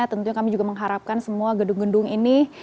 tentunya kami juga mengharapkan semua gedung gedung ini